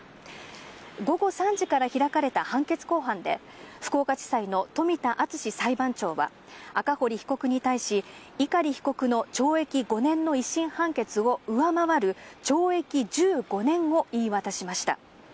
午後３時から開かれた判決公判で、福岡地裁の冨田敦史裁判長は、赤堀被告に対し、碇被告の懲役５年の１審判決を上回る懲役１５年を言い渡しました。